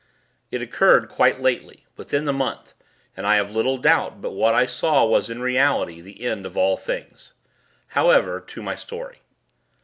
It occurred quite lately within the month; and I have little doubt but that what I saw was in reality the end of all things. However, to my story.